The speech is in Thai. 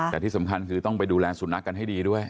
แต่ที่สำคัญคือต้องไปดูแลสุนัขกันให้ดีด้วย